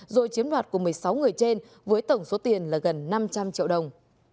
rồi chiếm đoạt của một mươi sáu người trên với tổng số tiền là gần năm trăm linh triệu đồng